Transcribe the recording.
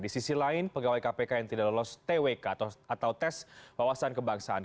di sisi lain pegawai kpk yang tidak lolos twk atau tes wawasan kebangsaan